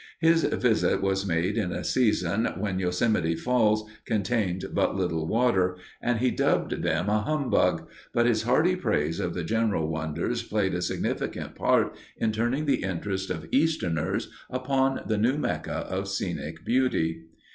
His visit was made at a season when Yosemite Falls contained but little water, and he dubbed them a "humbug," but his hearty praise of the general wonders played a significant part in turning the interest of Easterners upon the new mecca of scenic beauty.